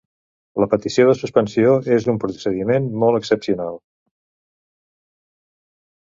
La petició de suspensió és un procediment molt excepcional.